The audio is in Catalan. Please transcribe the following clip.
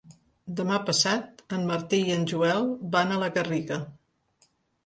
Demà passat en Martí i en Joel van a la Garriga.